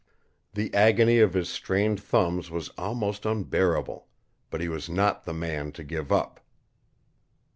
The agony of his strained thumbs was almost unbearable. But he was not the man to give up.